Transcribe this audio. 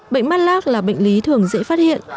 bệnh mắt lác là bệnh lý thường dễ phát hiện